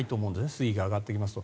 水位が上がってきますと。